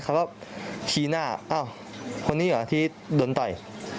เขาก็ชี้หน้าอ้าวคนนี้เหรอที่โดนต่อย